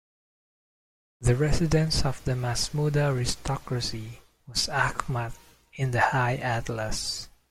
The residence of the Masmuda aristocracy was Aghmat in the High Atlas.